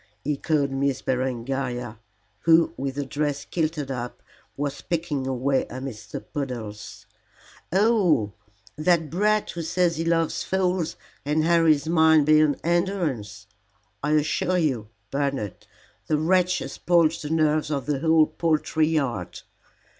echoed Miss Berengaria, who, with her dress kilted up, was picking her way amidst the puddles. "Oh, that brat who says he loves fowls and harries mine beyond endurance. I assure you, Bernard, the wretch has spoilt the nerves of the whole poultry yard.